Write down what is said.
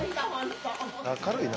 明るいな。